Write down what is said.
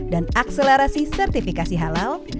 dan akselerasi sertifikasi halal